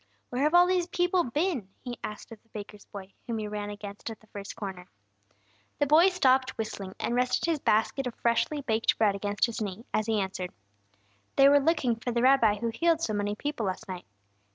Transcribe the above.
"Where have all these people been?" he asked of the baker's boy, whom he ran against at the first corner. The boy stopped whistling, and rested his basket of freshly baked bread against his knee, as he answered: "They were looking for the Rabbi who healed so many people last night.